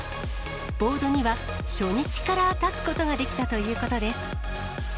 ボードには、初日から立つことができたということです。